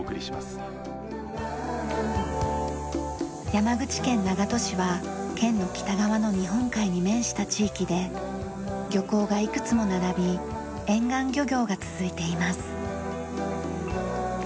山口県長門市は県の北側の日本海に面した地域で漁港がいくつも並び沿岸漁業が続いています。